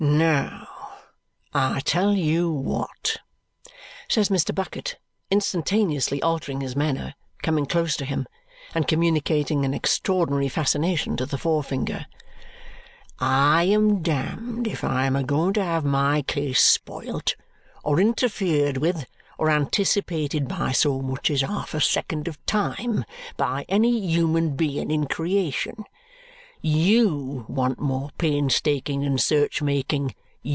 "Now I tell you what," says Mr. Bucket, instantaneously altering his manner, coming close to him, and communicating an extraordinary fascination to the forefinger, "I am damned if I am a going to have my case spoilt, or interfered with, or anticipated by so much as half a second of time by any human being in creation. YOU want more painstaking and search making!